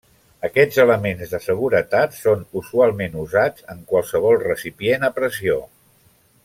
Aquests elements de seguretat són usualment usats en qualsevol recipient a pressió.